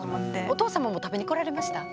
お父様も食べに来られました？